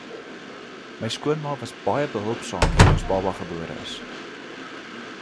My skoonma was baie behulpsaam toe ons baba gebore is.